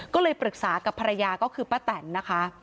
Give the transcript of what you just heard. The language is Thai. ก็เลยปรึกษากับภรรยาก็คือป้าแตนนะคะ